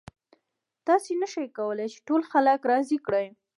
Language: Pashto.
تاسې نشئ کولی چې ټول خلک راضي کړئ.